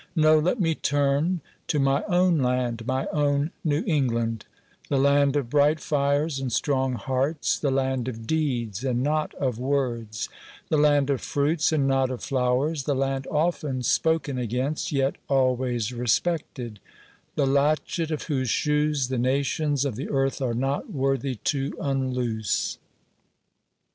No; let me turn to my own land my own New England; the land of bright fires and strong hearts; the land of deeds, and not of words; the land of fruits, and not of flowers; the land often spoken against, yet always respected; "the latchet of whose shoes the nations of the earth are not worthy to unloose."